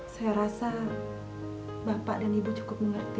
saya rasa bapak dan ibu cukup mengerti